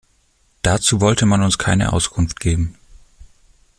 Dazu wollte man uns keine Auskunft geben.